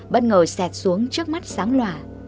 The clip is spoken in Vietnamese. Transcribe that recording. bất ngờ xẹt xuống trước mắt sáng loà